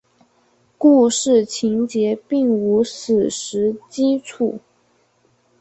故事情节并无史实基础。